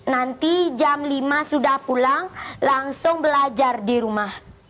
nanti jam lima sudah pulang langsung belajar di rumah